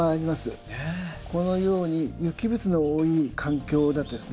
このように有機物の多い環境だとですね